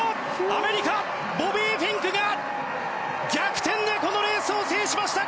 アメリカ、ボビー・フィンクが逆転でこのレースを制しました！